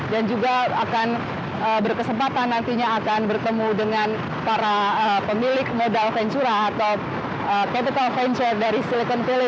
dan juga akan berkesempatan nantinya akan bertemu dengan para pemilik modal venture atau capital venture dari silicon valley